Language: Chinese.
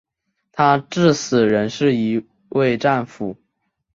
他至死仍是一位战俘。